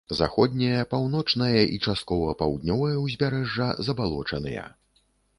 Заходняе, паўночнае і часткова паўднёвае ўзбярэжжа забалочаныя.